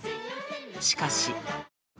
しかし。